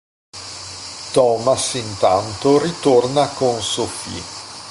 Thomas intanto ritorna con Sofie.